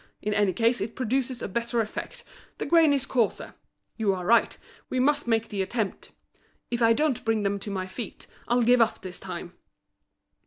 In any case it produces a better effect, the grain is coarser. You are right, we must make the attempt If I don't bring them to my feet, I'll give up this time!"